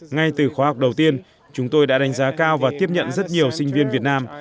ngay từ khóa học đầu tiên chúng tôi đã đánh giá cao và tiếp nhận rất nhiều sinh viên việt nam